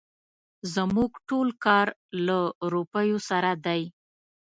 زموږ ټول کار له روپيو سره دی.